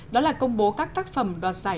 đó là công bố các tác phẩm đoạt giải